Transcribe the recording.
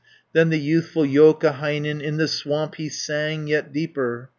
Then the youthful Joukahainen, In the swamp he sang yet deeper.